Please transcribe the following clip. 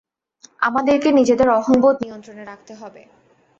আমাদেরকে নিজেদের অহংবোধ নিয়ন্ত্রণে রাখতে হবে।